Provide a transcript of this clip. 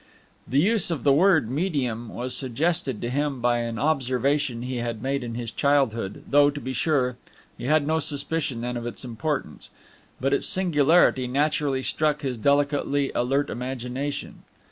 The use of the word "medium" was suggested to him by an observation he had made in his childhood, though, to be sure, he had no suspicion then of its importance, but its singularity naturally struck his delicately alert imagination.